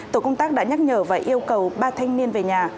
tổ công tác đã nhắc nhở và yêu cầu ba thanh niên về nhà